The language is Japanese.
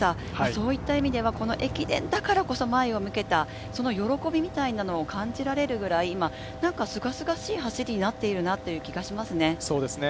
そういった意味ではこの駅伝だからこそ前を向けた、その喜びみたいなものを感じられるぐらいすがすがしい走りになっているなという気がしますね。